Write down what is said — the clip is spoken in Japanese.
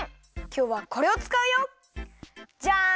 きょうはこれをつかうよ。じゃん！